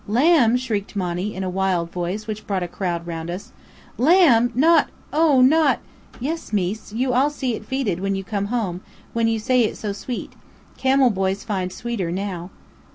"Lamb?" shrieked Monny, in a wild voice which brought a crowd round us. "Lamb! Not oh, not " "Yes, mees, you all see it feeded when you come home, when you say it so sweet. Camel boys find sweeter now!"